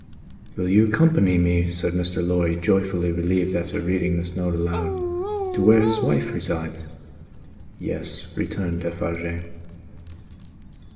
"Will you accompany me," said Mr. Lorry, joyfully relieved after reading this note aloud, "to where his wife resides?" "Yes," returned Defarge.